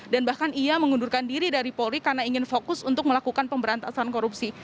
dan bahkan ia mengundurkan diri dari polri karena ingin fokus untuk melakukan pemberantasan korupsi